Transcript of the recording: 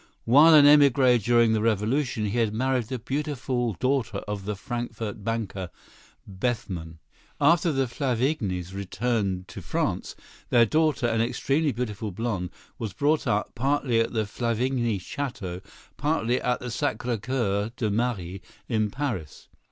While an émigré during the revolution, he had married the beautiful daughter of the Frankfort banker, Bethman. After the Flavignys returned to France, their daughter, an extremely beautiful blonde, was brought up, partly at the Flavigny château, partly at the Sacré Coeur de Marie, in Paris.